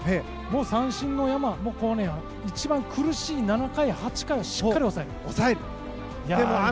三振の山を一番苦しい、７回と８回をしっかり押さえる。